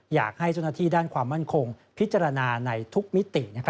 อยากให้เจ้าหน้าที่ด้านความมั่นคงพิจารณาในทุกมิติ